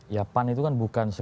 ya pan itu kan bukan